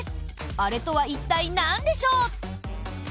あれとは一体なんでしょう？